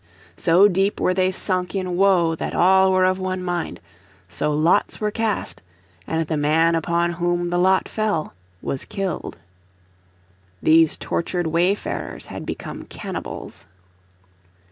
So deep were they sunk in woe that all were of one mind. So lots were cast, and the man upon whom the lot fell was killed. These tortured wayfarers had become cannibals.